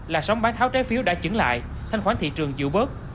là sóng bán tháo trái phiếu đã chứng lại thanh khoản thị trường dịu bớt